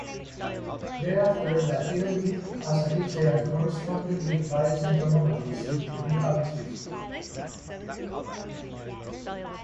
Thereafter, Latreille lived as a teacher and corresponded with various entomologists, including Fabricius.